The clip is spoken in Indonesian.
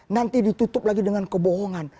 nanti ditutup lagi dengan kebohongan